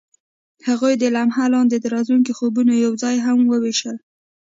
هغوی د لمحه لاندې د راتلونکي خوبونه یوځای هم وویشل.